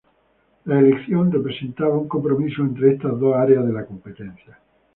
La elección representaba un compromiso entre estas dos áreas de la competencia.